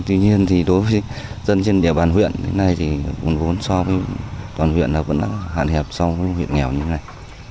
tuy nhiên thì đối với dân trên địa bàn huyện thì nguồn vốn so với toàn huyện là vẫn hạn hẹp so với huyện nghèo như thế này